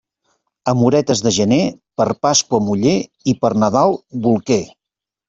Amoretes de gener, per Pasqua, muller, i per Nadal, bolquer.